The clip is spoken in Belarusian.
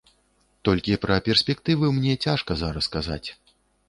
Толькі пра перспектывы мне цяжка зараз казаць.